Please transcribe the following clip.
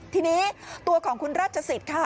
ทีนี้ตัวของคุณราชสิทธิ์ค่ะ